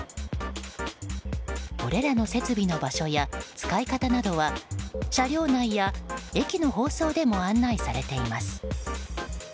これらの設備の場所や使い方などは車両駅や駅の放送でも案内されています。